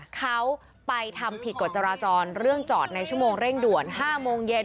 เขาไปทำผิดกฎจราจรเรื่องจอดในชั่วโมงเร่งด่วน๕โมงเย็น